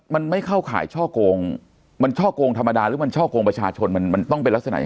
มันไม่เข้าข่ายช่อกงมันช่อกงธรรมดาหรือมันช่อกงประชาชนมันมันต้องเป็นลักษณะยังไง